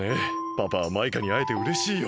パパはマイカにあえてうれしいよ。